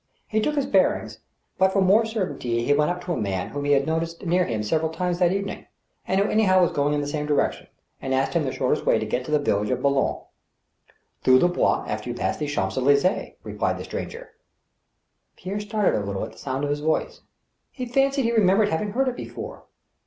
He took his bearings, but for more certainty he went up to a man whom he had noticed near him several times that evening, and who anyhow was going in the same direction, and asked him the shortest way to get to the village of Boulogne. " Through the Bois after you pass the Champs Elys^es," replied the stranger. Pierre started a little at the sound of his voice. He fancied that he remembered having heard it before.